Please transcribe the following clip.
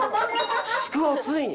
ちくわをついに。